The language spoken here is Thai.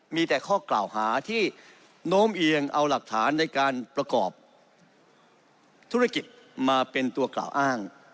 มีแต่ข้อกล่าวหาที่โน้มเอียงเอาหลักฐานในการประกอบธุรกิจมาเป็นตัวกล่าวอ้าง